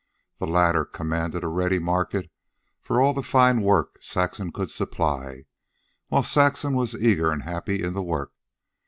The latter commanded a ready market for all the fine work Saxon could supply, while Saxon was eager and happy in the work.